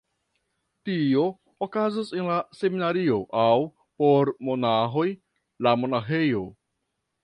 Tio okazas en la seminario aŭ (por monaĥoj) la monaĥejo.